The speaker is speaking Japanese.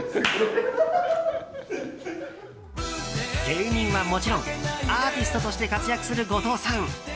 芸人はもちろんアーティストとして活躍する後藤さん。